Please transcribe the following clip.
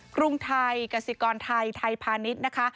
กรุงไทยกสิกรไทยไทยพาณิชย์นะคะ